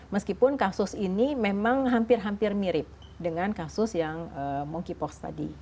meskipun kasus ini memang hampir hampir mirip dengan kasus yang monkeypox tadi